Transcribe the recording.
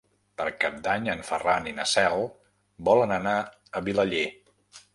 Per Cap d'Any en Ferran i na Cel volen anar a Vilaller.